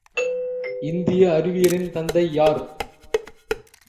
இந்திய அறிவியலின் தந்தை யார்?